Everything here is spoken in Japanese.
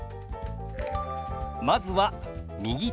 まずは「右手」。